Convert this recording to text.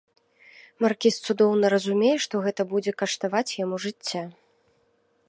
Маркіз цудоўна разумее, што гэта будзе каштаваць яму жыцця.